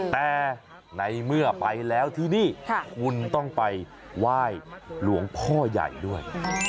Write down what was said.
แต่ในเมื่อไปแล้วที่นี่คุณต้องไปไหว้หลวงพ่อใหญ่ด้วย